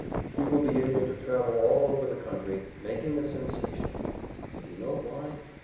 He will be able to travel all over the country, making a sensation. Did he know why?